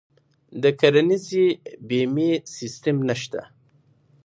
د کرنیزې بیمې سیستم نشته.